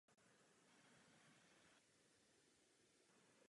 Jen tak zabráníme, aby se nám svět vymkl z rukou.